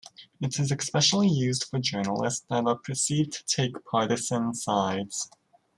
It is especially used for journalists that are perceived to take partisan sides.